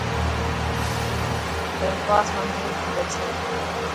درخواست منظور ٿي پڇي.